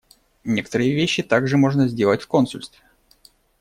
Некоторые вещи также можно сделать в консульстве.